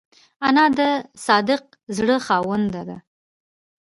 انا د صادق زړه خاوند ده